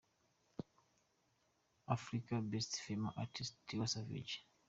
Africa Best Female Artist Tiwa Savage.